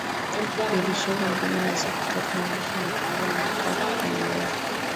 lilishindwa ndani ya Siku tatu na jeshi la Cuba lililokuwa likiongozwa